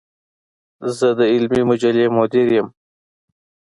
زۀ د علمي مجلې مدير يم.